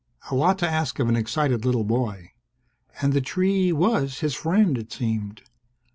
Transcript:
A lot to ask of an excited little boy. And the tree was his friend, it seemed.